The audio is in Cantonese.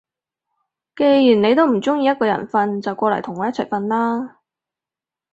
既然你都唔中意一個人瞓，就過嚟同我一齊瞓啦